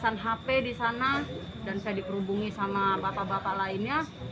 saya hp di sana dan saya dikerubungi sama bapak bapak lainnya